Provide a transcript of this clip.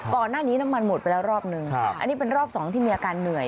น้ำมันหมดไปแล้วรอบนึงอันนี้เป็นรอบสองที่มีอาการเหนื่อย